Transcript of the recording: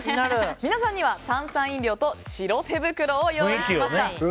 皆さんには炭酸飲料と白手袋を用意しました。